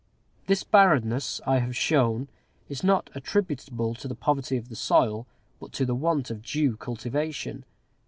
This barrenness, I have shown, is not attributable to the poverty of the soil, but to the want of due cultivation.